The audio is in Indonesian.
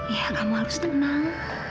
ya kamu harus tenang